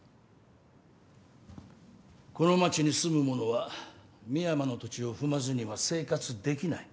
この町に住む者は深山の土地を踏まずには生活できない。